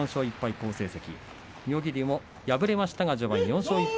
好成績妙義龍も敗れましたが４勝１敗。